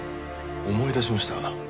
思い出しました。